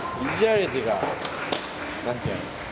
何ていうの？